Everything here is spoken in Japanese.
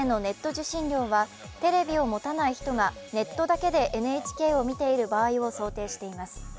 受信料はテレビを持たない人がネットだけでＮＨＫを見ている場合を想定しています。